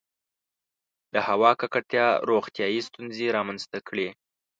• د هوا ککړتیا روغتیایي ستونزې رامنځته کړې.